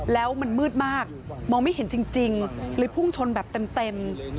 แล้วมันมืดมากมองไม่เห็นจริงเลยพุ่งชนแบบเต็ม